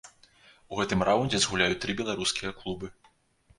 У гэтым раўндзе згуляюць тры беларускія клубы.